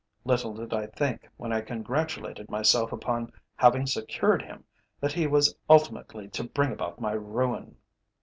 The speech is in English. Little did I think, when I congratulated myself upon having secured him, that he was ultimately to bring about my ruin."